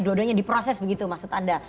dua duanya diproses begitu maksud anda